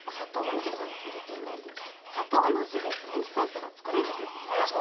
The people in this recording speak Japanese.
砂糖なしでフレンチトーストが作れるんですね。